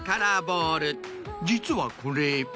実はこれ。